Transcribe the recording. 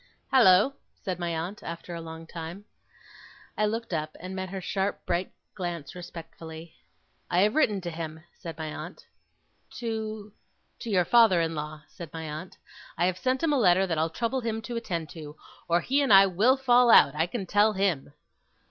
'Hallo!' said my aunt, after a long time. I looked up, and met her sharp bright glance respectfully. 'I have written to him,' said my aunt. 'To ?' 'To your father in law,' said my aunt. 'I have sent him a letter that I'll trouble him to attend to, or he and I will fall out, I can tell him!